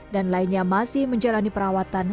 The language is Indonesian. dan lainnya masih menjalani perawatan